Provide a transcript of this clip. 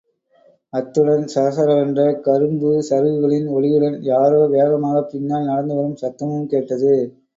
அத்துடன், சரசரவென்ற கரும்பு சரகுகளின் ஒலியுடன், யாரோ வேகமாக பின்னால் நடந்துவரும் சத்தமும் கேட்டது.